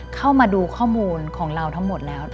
เข้ามาดูข้อมูลของเราทั้งหมดแล้ว